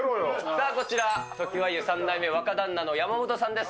さあこちら、常盤湯３代目、若旦那の山本さんです。